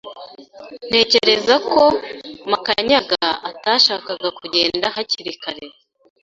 Ntekereza ko Makanyaga atashakaga kugenda hakiri kare.